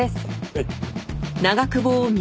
はい。